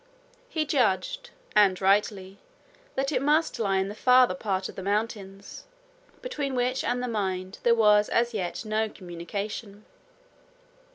He judged, and rightly, that it must lie in a farther part of the mountain, between which and the mine there was as yet no communication.